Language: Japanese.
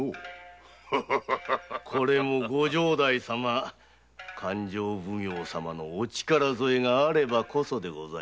これもご城代様勘定奉行様のお力添えがあればこそです。